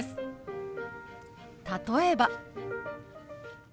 例えば。